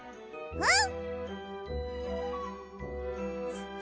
うん。